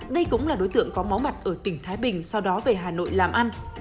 đây cũng là đối tượng có máu mặt ở tỉnh thái bình sau đó về hà nội làm ăn